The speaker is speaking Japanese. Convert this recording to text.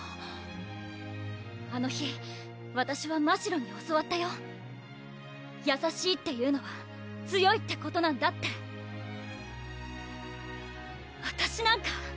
あの日わたしはましろんに教わったよ優しいっていうのは強いってことなんだってわたしなんか？